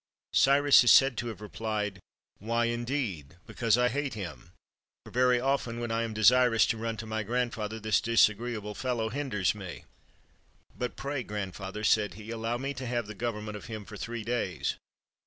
Cyrus is said to have replied: — "Why, indeed, because I hate him; for, very often, when I am desirous to run to my grandfather, this dis agreeable fellow hinders me. But pray, grandfather," said he, " allow me to have the government of him for three days."